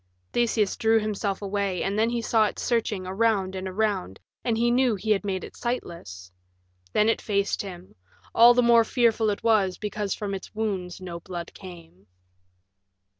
Theseus drew himself away, and then he saw it searching around and around, and he knew he had made it sightless. Then it faced him; all the more fearful it was because from its wounds no blood came.